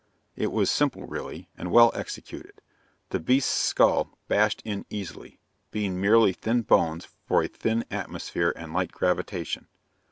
It was simple, really, and well executed. The beast's skull bashed in easily, being merely thin bones for a thin atmosphere and light gravitation.